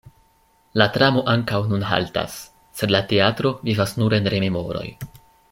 La tramo ankaŭ nun haltas, sed la teatro vivas nur en rememoroj.